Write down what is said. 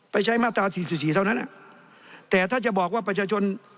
ใช้มาตรา๔๔เท่านั้นแต่ถ้าจะบอกว่าประชาชน